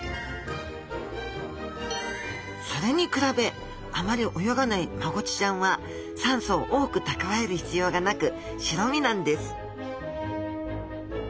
それに比べあまり泳がないマゴチちゃんは酸素を多く蓄える必要がなく白身なんです